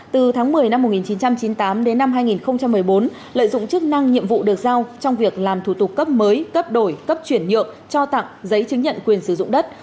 từ tháng một mươi năm một nghìn chín trăm chín mươi tám đến năm hai nghìn một mươi bốn lợi dụng chức năng nhiệm vụ được giao trong việc làm thủ tục cấp mới cấp đổi cấp chuyển nhượng cho tặng giấy chứng nhận quyền sử dụng đất